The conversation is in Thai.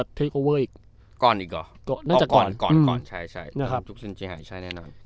อีกก่อนอีกเหรอก็น่าจะก่อนก่อนก่อนใช่ใช่นะครับซุนจีไห่ใช่แน่นอน